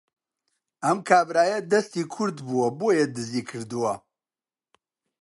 ئەم کابرایە دەستی کورت بووە بۆیە دزی کردووە